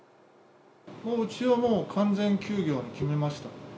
うちはもう完全休業に決めました。